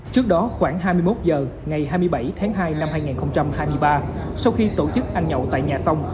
trước đó khoảng hai mươi một h ngày hai mươi bảy tháng hai năm hai nghìn hai mươi ba sau khi tổ chức ăn nhậu tại nhà xong